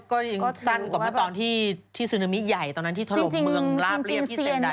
ก็ยังสั้นกว่าเมื่อตอนที่ซึนามิใหญ่ตอนนั้นที่ถล่มเมืองลาบเรียบที่เสียดาย